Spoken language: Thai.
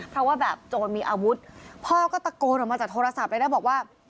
เพราะว่าแบบโจรมีอาวุธพ่อก็ตะโกนออกมาจากโทรศัพท์เลยนะบอกว่า